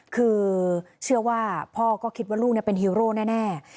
คือเชื่อว่าพ่อก็คิดว่าลูกเป็นฮีโร่แน่